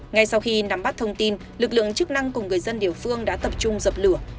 ngay sau khi nắm bắt thông tin lực lượng chức năng cùng người dân địa phương đã tập trung dập lửa